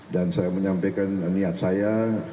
dan saya menyampaikan niat saya